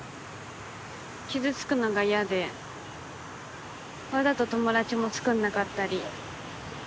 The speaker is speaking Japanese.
傷つくのが嫌でわざと友達もつくんなかったり。